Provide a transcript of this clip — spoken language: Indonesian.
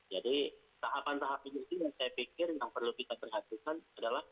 jadi tahapan tahap ini sih yang saya pikir yang perlu kita perhatikan adalah